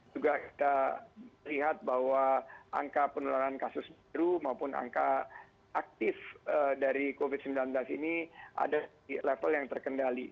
juga kita lihat bahwa angka penularan kasus baru maupun angka aktif dari covid sembilan belas ini ada di level yang terkendali